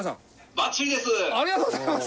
バッチリです！